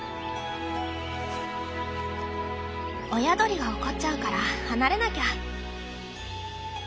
親鳥が怒っちゃうから離れなきゃ。